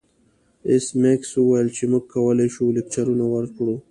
ایس میکس وویل چې موږ کولی شو لکچرونه ورکړو